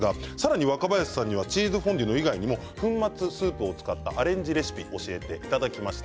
若林さんはチーズフォンデュ以外にも粉末スープを使ったアレンジレシピを教えていただきました。